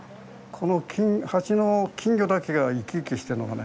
この鉢の金魚だけが生き生きしてるのがね